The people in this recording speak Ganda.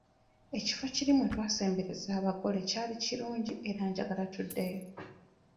Ekifo kiri mwe twasembereza abagole kyali kirungi era njagala tuddeyo.